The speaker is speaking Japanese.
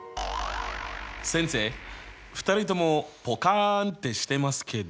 先生２人ともポカンってしてますけど。